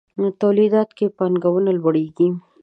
توليديت کې پانګونه لوړېږي.